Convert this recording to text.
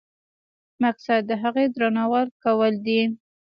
مقصد د هغې درناوی کول دي.